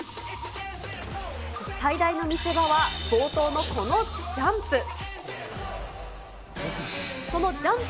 最大の見せ場は冒頭のこのジャンプ。